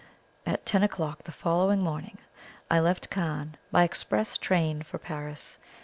At ten o'clock the following morning I left Cannes by express train for Paris.